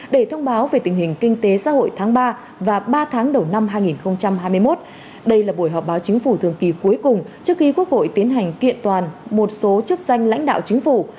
để thông báo về tình hình kinh tế xã hội tháng ba và ba tháng đầu năm hai nghìn hai mươi một đây là buổi họp báo chính phủ thường kỳ cuối cùng trước khi quốc hội tiến hành kiện toàn một số chức danh lãnh đạo chính phủ